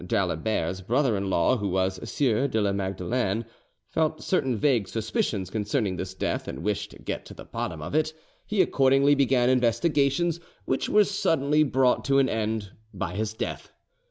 D'Alibert's brother in law, who was Sieur de la Magdelaine, felt certain vague suspicions concerning this death, and wished to get to the bottom of it; he accordingly began investigations, which were suddenly brought to an end by his death.